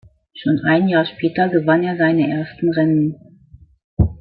Schon ein Jahr später gewann er seine ersten Rennen.